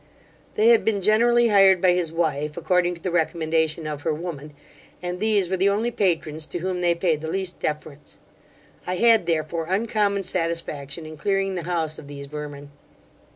They had been generally hired by his wife, according to the recommendation of her woman, and these were the only patrons to whom they payed the least deference. I had therefore uncommon satisfaction in clearing the house of these vermin.